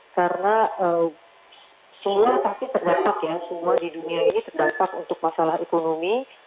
karena semua yang terdapat di dunia ini terdapat untuk masalah ekonomi